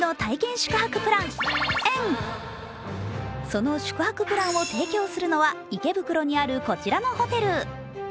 その宿泊プランを提供するのは池袋にあるこちらのホテル。